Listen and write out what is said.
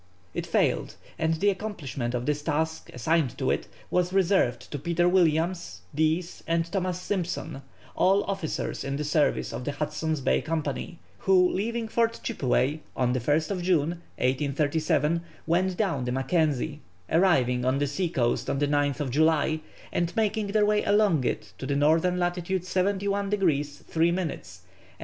It failed, and the accomplishment of the task assigned to it was reserved to Peter Williams, Dease, and Thomas Simpson, all officers in the service of the Hudson's Bay Company, who, leaving Fort Chippeway on the 1st June, 1837, went down the Mackenzie, arriving on the sea coast on the 9th July, and making their way along it to N. lat. 71 degrees 3 minutes and W.